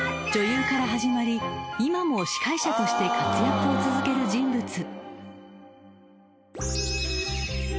女優から始まり今も司会者として活躍を続ける人物］